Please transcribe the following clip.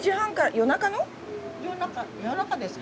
夜中夜中ですか？